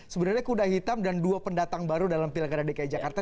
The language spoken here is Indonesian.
sebenarnya kuda hitam dan dua pendatang baru dalam pilkada dki jakarta